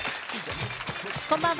こんばんは。